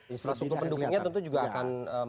infrastruktur pendukungnya tentu juga akan